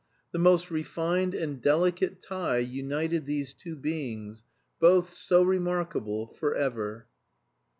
The most refined and delicate tie united these two beings, both so remarkable, forever.